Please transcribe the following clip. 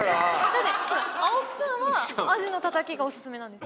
だって青木さんはアジのたたきがお薦めなんです。